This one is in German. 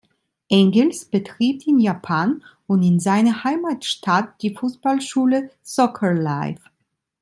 Engels betreibt in Japan und in seiner Heimatstadt die Fußballschule „Soccer life“.